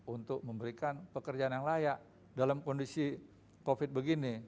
untuk memberikan pekerjaan yang layak dalam kondisi covid begini